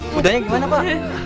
sudah ya gimana pak